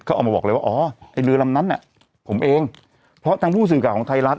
เขาเอามาบอกเลยว่าอ๋อไอ้เรือลำนั้นน่ะผมเองเพราะทางผู้สื่อข่าวของไทยรัฐ